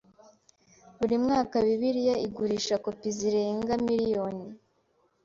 Buri mwaka Bibiliya igurisha kopi zirenga miliyoni. .